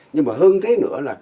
nhưng mà hơn thế nữa là